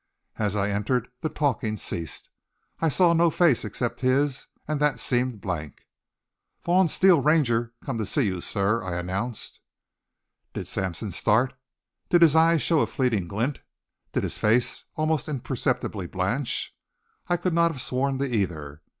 As I entered, the talking ceased. I saw no face except his and that seemed blank. "Vaughn Steele, Ranger come to see you, sir." I announced. Did Sampson start did his eyes show a fleeting glint did his face almost imperceptibly blanch? I could not have sworn to either.